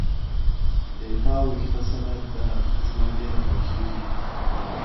د تا وېښته سره ده زما ډیر خوښیږي